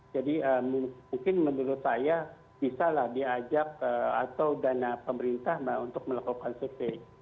jadi mungkin menurut saya bisa lah diajak atau dana pemerintah untuk melakukan survei